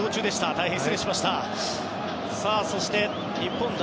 大変失礼いたしました。